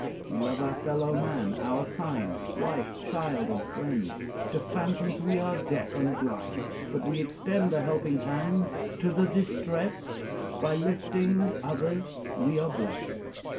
We love our fellow man, our kind, Wife, child, and friend. To phantoms we are deaf and blind, But we extend The helping hand to the distressed; By lifting others we are blessed.